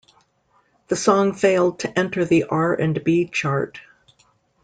The song failed to enter the R and B chart.